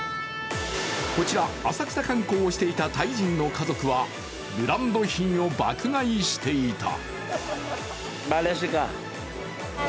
こちら浅草観光をしていたタイ人の家族もブランド品を爆買いしていた。